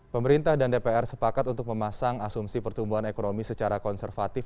pemerintah dan dpr sepakat untuk memasang asumsi pertumbuhan ekonomi secara konservatif